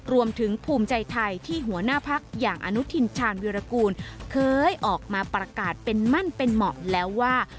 รวมถึงภูมิใจไทยที่หัวหน้าพักอย่างอนุทินชาญวิรากูลเคยออกมาประกาศเป็นมั่นเป็นเหมาะแล้วว่า